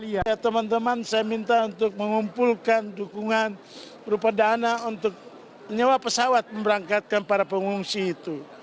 iya teman teman saya minta untuk mengumpulkan dukungan berupa dana untuk nyewa pesawat memberangkatkan para pengungsi itu